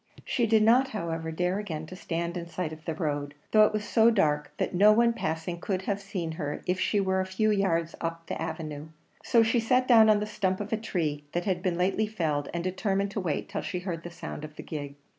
She did not, however, dare again to stand in sight of the road, though it was so dark, that no one passing could have seen her if she were a few yards up the avenue; so she sat down on the stump of a tree that had been lately felled, and determined to wait till she heard the sound of the gig.